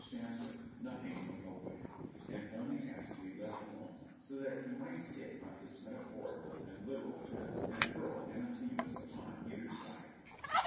Sampson, "nothing from nobody," and only asked to be let alone so that he might sit on his metaphorical and literal fence and hurl anathemas upoil either side.